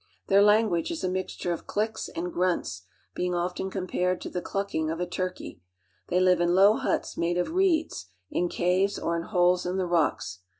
Their language is a I mixture of clicks and grunts, being often compared to the I clucking of a turkey. They live in low huts made of ■ieeds, in caves, or in holes in the rocks.